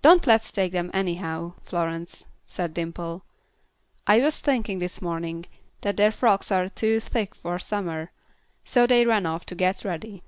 "Don't let's take them anyhow, Florence," said Dimple. "I was thinking this morning that their frocks are too thick for summer." So they ran off to get ready.